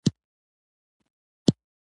بنسټي توپیرونه په اقتصادي ودې کې اساسي رول لوبوي.